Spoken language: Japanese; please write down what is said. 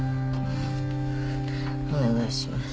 お願いします。